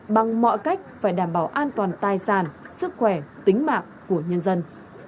bằng mọi cách phải đảm bảo an toàn tài sản sức khỏe tính mạng của nhân dân